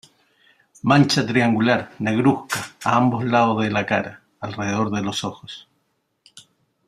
Mancha triangular negruzca a ambos lados de la cara, alrededor de los ojos.